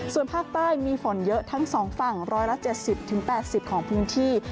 ส่วนภาคใต้มีฝนเยอะทั้ง๒ฝั่ง๑๗๐๘๐ของพื้นที่